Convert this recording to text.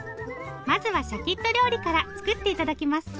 まずはシャキッと料理から作って頂きます。